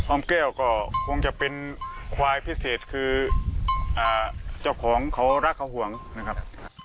อมแก้วก็คงจะเป็นควายพิเศษคือเจ้าของเขารักเขาห่วงนะครับ